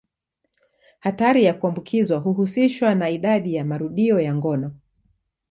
Hatari ya kuambukizwa huhusishwa na idadi ya marudio ya ngono.